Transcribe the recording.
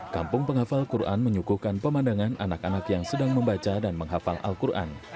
kampung penghafal quran menyuguhkan pemandangan anak anak yang sedang membaca dan menghafal al quran